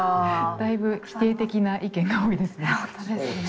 だいぶ否定的な意見が多いですね。